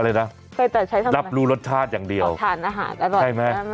อะไรนะเคยแต่ใช้ทำอะไรรับรู้รสชาติอย่างเดียวออกทานอาหารอร่อยใช่ไหม